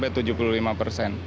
eh antara sekitar lima puluh persen